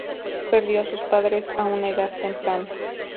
Perdió a sus padres a una edad temprana.